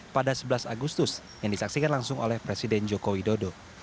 pada sebelas agustus yang disaksikan langsung oleh presiden joko widodo